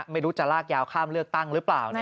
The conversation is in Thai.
ไม่รู้จะลากยาวข้ามเลือกตั้งหรือเปล่า